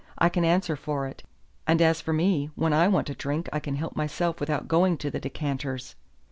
I can answer for it; and as for me, when I want a drink I can help myself without going to the decanters."